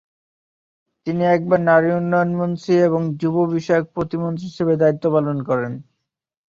তিনি একবার নারী উন্নয়ন মন্ত্রী এবং যুব বিষয়ক প্রতিমন্ত্রী হিসেবে দায়িত্ব পালন করেন।